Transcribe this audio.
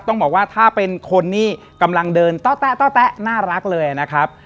ต้องบอกว่าถ้าเป็นคนนี่กำลังเดินเต้าน่ารักเลยนะครับ